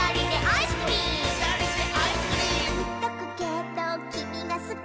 「いっとくけどきみがすき」